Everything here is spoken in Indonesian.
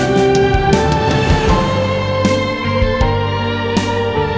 kenapa saya udah ke jestem